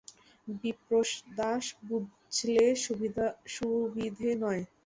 বিপ্রদাস বুঝলে সুবিধে নয়।